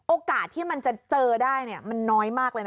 โอกาสที่มันจะเจอได้มันน้อยมากเลยนะ